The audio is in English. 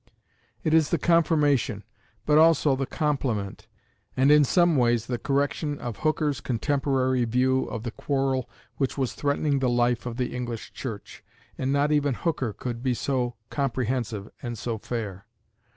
It is the confirmation, but also the complement, and in some ways the correction of Hooker's contemporary view of the quarrel which was threatening the life of the English Church, and not even Hooker could be so comprehensive and so fair.